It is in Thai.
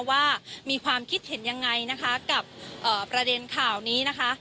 ว่ามีความคิดเห็นยังไงนะคะกับประเด็นข่าวนี้นะคะ